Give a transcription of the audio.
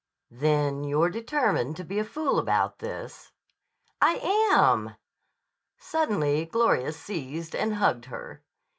"Then you're determined to be a fool about this?" "I am." Suddenly Gloria seized and hugged her.